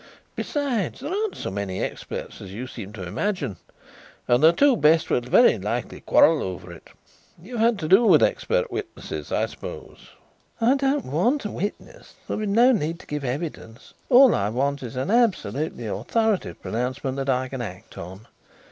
Besides, there aren't so many experts as you seem to imagine. And the two best will very likely quarrel over it. You've had to do with 'expert witnesses,' I suppose?" "I don't want a witness; there will be no need to give evidence. All I want is an absolutely authoritative pronouncement that I can act on.